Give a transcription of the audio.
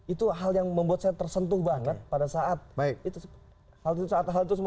itu hal yang membuat saya tersentuh banget pada saat itu semua